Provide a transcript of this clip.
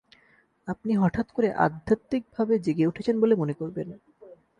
আপনি হঠাৎ করে আধ্যাত্মিকভাবে জেগে উঠেছেন বলে মনে করবেন।